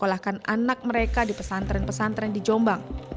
masyarakat khawatir menyekolahkan anak mereka di pesantren pesantren di jombang